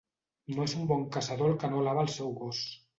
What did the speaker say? No és bon caçador el que no alaba el seu gos.